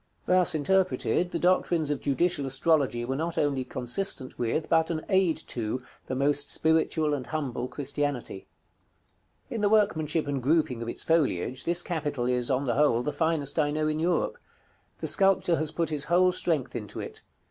Thus interpreted, the doctrines of judicial astrology were not only consistent with, but an aid to, the most spiritual and humble Christianity. In the workmanship and grouping of its foliage, this capital is, on the whole, the finest I know in Europe. The sculptor has put his whole strength into it.